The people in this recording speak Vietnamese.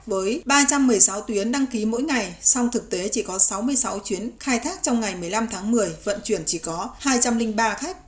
với ba trăm một mươi sáu tuyến đăng ký mỗi ngày song thực tế chỉ có sáu mươi sáu chuyến khai thác trong ngày một mươi năm tháng một mươi vận chuyển chỉ có hai trăm linh ba khách